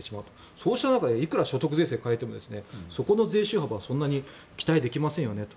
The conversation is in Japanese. その中でいくら所得税制を変えてもそこの税収幅はそんなに期待できませんよねと。